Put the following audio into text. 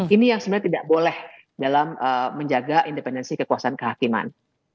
ini yang sebenarnya tidak boleh dalam menjaga independensi kekuasaan kehakiman